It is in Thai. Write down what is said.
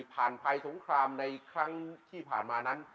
ผ่านภัยสงครามในครั้งที่ผ่านมานั้น